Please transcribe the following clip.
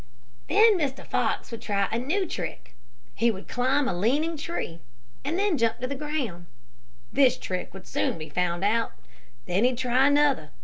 "Then Mr. Fox would try a new trick. He would climb a leaning tree, and then jump to the ground. This trick would soon be found out. Then he'd try another.